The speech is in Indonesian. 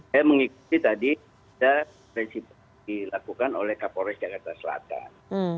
saya mengikuti tadi prinsip dilakukan oleh kapolres jakarta selatan